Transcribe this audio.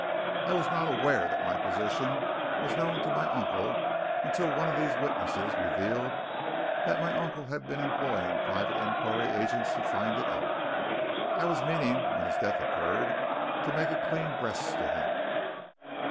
I was not aware that my position was known to my uncle until one of these witnesses revealed that my uncle had been employing private inquiry agents to find it out. I was meaning, when his death occurred, to make a clean breast to him.